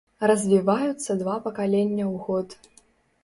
Развіваюцца два пакалення ў год.